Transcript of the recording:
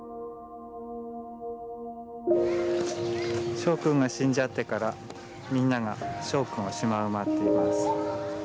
しょうくんが死んじゃってからみんながしょうくんを「シマウマ」って言います。